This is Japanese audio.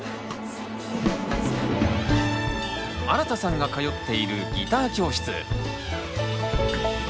あらたさんが通っているギター教室。